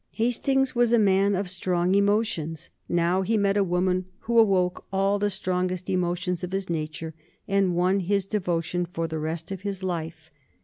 Hastings was a man of strong emotions. Now he met a woman who awoke all the strongest emotions of his nature and won his devotion for the rest of his life.